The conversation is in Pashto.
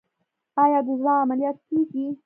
آیا د زړه عملیات کیږي؟